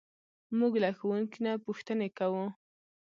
موږ له ښوونکي نه پوښتنې کوو.